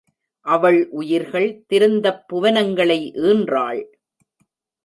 அவள் உயிர்கள் திருந்தப் புவனங்களை ஈன்றாள்.